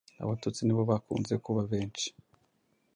Abatutsi ni bo bakunze kuba benshi.